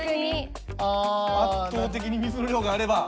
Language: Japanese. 圧倒的に水の量があれば。